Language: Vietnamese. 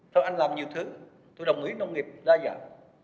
sau anh làm nhiều thứ tôi đồng ý nông nghiệp đa dạng